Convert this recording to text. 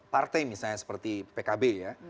partai misalnya seperti pkb